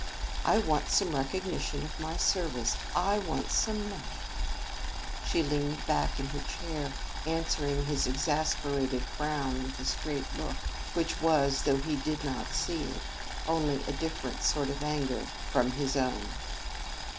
I want some recognition of my services I want some money." She leaned back in her chair, answering his exasperated frown with a straight look, which was, though he did not see it, only a different sort of anger from his own.